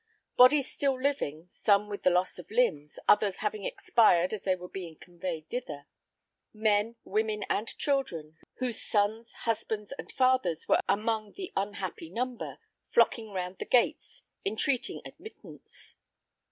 Bodies still living, some with the loss of limbs, others having expired as they were being conveyed thither; men, women and children, whose sons, husbands and fathers were among the unhappy number, flocking round the gates, intreating admittance.